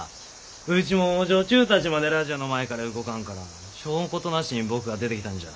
うちも女中たちまでラジオの前から動かんからしょうことなしに僕が出てきたんじゃ。